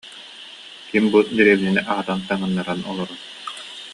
Ким бу дэриэбинэни аһатан, таҥыннаран олорор